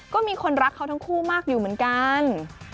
ก็มีคนรักเขาทั้งคู่มากอยู่เหมือนกัน